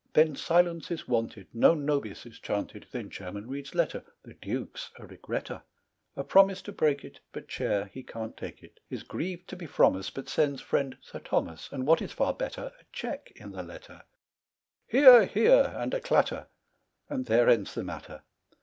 Then silence is wanted, Non Nobis is chanted; Then Chairman reads letter, The Duke's a regretter, A promise to break it, But chair, he can't take it; Is grieved to be from us, But sends friend Sir Thomas, And what is far better, A cheque in the letter. Hear! hear! and a clatter, And there ends the matter.